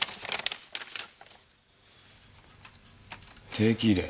定期入れ。